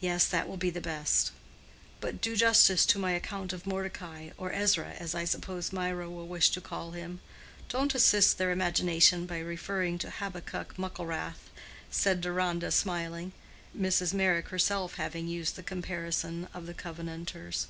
"Yes, that will be best. But do justice to my account of Mordecai—or Ezra, as I suppose Mirah will wish to call him: don't assist their imagination by referring to Habakkuk Mucklewrath," said Deronda, smiling—Mrs. Meyrick herself having used the comparison of the Covenanters.